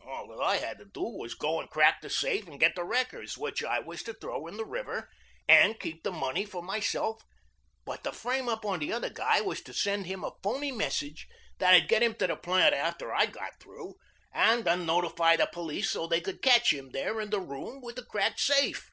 All that I had to do with it was go and crack the safe and get the records, which I was to throw in the river, and keep the money for myself, but the frame up on the other guy was to send him a phony message that would get him at the plant after I got through, and then notify the police so they could catch him there in the room with the cracked safe.